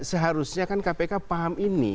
seharusnya kan kpk paham ini